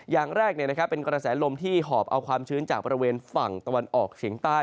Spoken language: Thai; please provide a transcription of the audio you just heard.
อย่างแรกเป็นกระแสลมที่หอบเอาความชื้นจากบริเวณฝั่งตะวันออกเฉียงใต้